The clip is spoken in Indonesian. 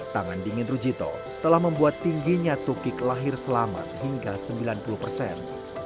tangan dingin rujito telah membuat tingginya tukik lahir selamat hingga sembilan puluh persen